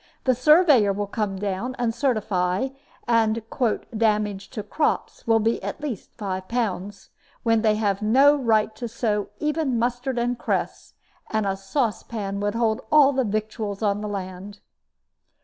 The surveyor will come down and certify, and the 'damage to crops' will be at least five pounds, when they have no right to sow even mustard and cress, and a saucepan would hold all the victuals on the land."